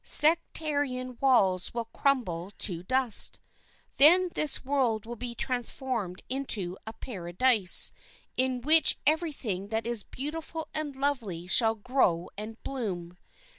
Sectarian walls will crumble to dust. Then this world will be transformed into a paradise, in which every thing that is beautiful and lovely shall grow and bloom.